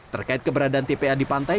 terkait keberadaan tpa di pantai